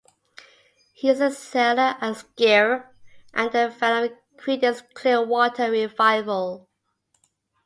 He is a sailor and skier and a fan of Creedence Clearwater Revival.